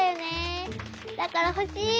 だからほしい！